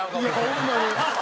ホンマに。